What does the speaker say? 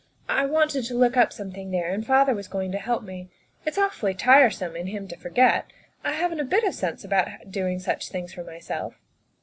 I wanted to look up something there, and father was going to help me. It's awfully tiresome in him to forget. I haven't a bit of sense about doing such things for myself.